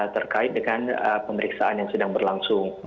terkait dengan pemeriksaan yang sedang berlangsung